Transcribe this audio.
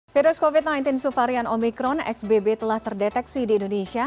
virus covid sembilan belas subvarian omikron xbb telah terdeteksi di indonesia